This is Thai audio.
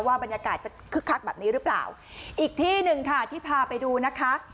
บรรยากาศจะคึกคักแบบนี้หรือเปล่าอีกที่หนึ่งค่ะที่พาไปดูนะคะ